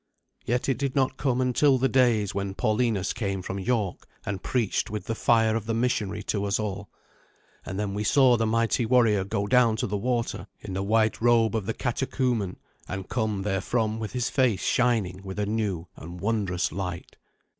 Yet it did not come until the days when Paulinus came from York and preached with the fire of the missionary to us all. And then we saw the mighty warrior go down to the water in the white robe of the catechumen, and come therefrom with his face shining with a new and wondrous light.